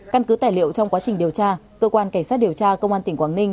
căn cứ tài liệu trong quá trình điều tra cơ quan cảnh sát điều tra công an tỉnh quảng ninh